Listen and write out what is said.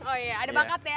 oh iya ada bakat ya